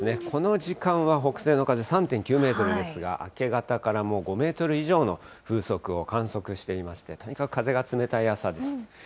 この時間は、北西の風３．９メートルですが、明け方からもう５メートル以上の風速を観測していまして、とにかく風が冷たい朝です。